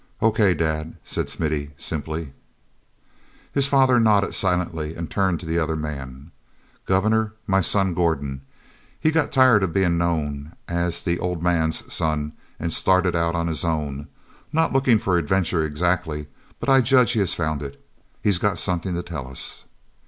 "O. K., Dad," said Smithy simply. His father nodded silently and turned to the other man. "Governor, my son, Gordon. He got tired of being known as the 'Old Man's son'—started out on his own—not looking for adventure exactly, but I judge he has found it. He's got something to tell us."